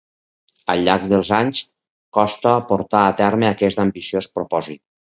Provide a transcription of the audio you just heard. Al llarg dels anys, Costa portà a terme aquest ambiciós propòsit.